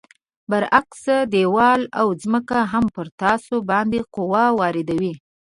برعکس دیوال او ځمکه هم پر تاسو باندې قوه واردوي.